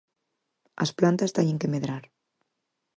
As plantas teñen que medrar.